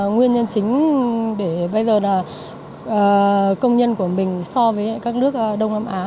nguyên nhân chính để bây giờ là công nhân của mình so với các nước đông nam á